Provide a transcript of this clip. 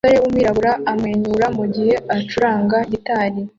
Umusore wumwirabura amwenyura mugihe acuranga gitari